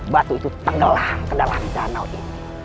batu itu tenggelam ke dalam danau ini